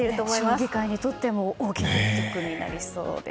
将棋界にとっても大きな一戦となりそうです。